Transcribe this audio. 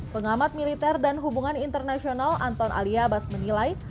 pengamat militer dan hubungan internasional anton ali abbas menilai